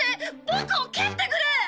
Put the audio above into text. ボクを蹴ってくれ！